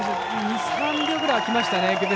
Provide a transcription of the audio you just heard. ２３秒ぐらい開きましたね。